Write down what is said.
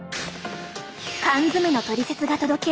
缶詰のトリセツが届ける